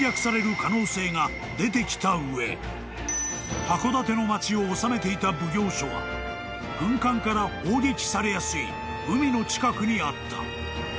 ［出てきた上函館の町を治めていた奉行所は軍艦から砲撃されやすい海の近くにあった］